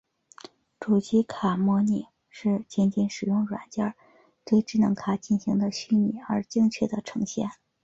主机卡模拟是仅仅使用软件对智能卡进行的虚拟而精确的呈现。